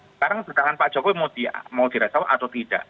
sekarang sedangkan pak jokowi mau direspon atau tidak